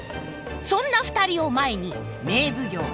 そんな２人を前に名奉行大岡